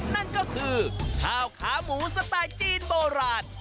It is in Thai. นั่นก็คือข้าวขาหมูสไตล์จีนโบราณ